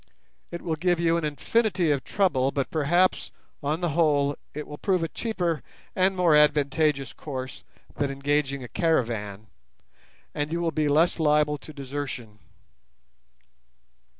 It will give you an infinity of trouble, but perhaps on the whole it will prove a cheaper and more advantageous course than engaging a caravan, and you will be less liable to desertion."